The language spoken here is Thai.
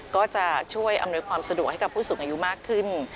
ก็จะช่วยอำนวยความสะดวกให้กับผู้สูงอายุมากขึ้น